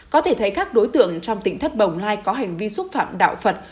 có thể thấy các đối tượng trong tỉnh thất bồng lai có hành vi xúc phạm đạo phật